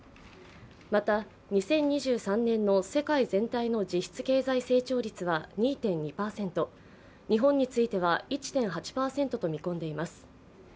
また２０２３年の世界全体の実質経済成長率は２．２％、日本については１．８％と見込んでいます。